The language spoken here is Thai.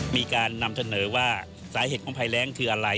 มีการนำเสนอว่าสาเหตุของภัยแรงคืออะไร